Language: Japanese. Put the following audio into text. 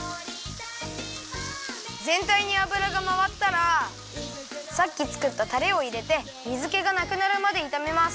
ぜんたいに油がまわったらさっきつくったたれをいれて水けがなくなるまでいためます。